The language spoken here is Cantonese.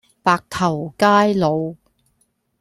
白頭偕老